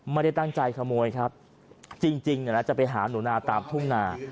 ไม่ได้ตั้งใจขโมยครับจริงจริงเนี่ยนะจะไปหาหนูนาตามทุ่มนา